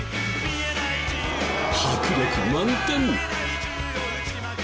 迫力満点！